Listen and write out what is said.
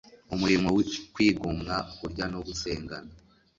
umurimo Kwigomwa kurya no gusengana